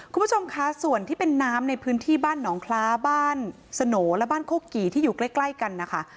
คุณผู้ชมคะส่วนที่เป็นน้ำในพื้นที่บ้านหนองคล้าบ้านสโหน่และบ้านโคกี่ที่อยู่ใกล้กันนะคะ